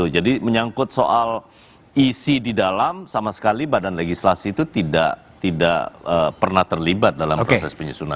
jadi menyangkut soal isi di dalam sama sekali badan legislasi itu tidak pernah terlibat dalam proses penyusunan